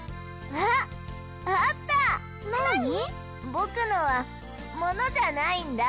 僕のはものじゃないんだ。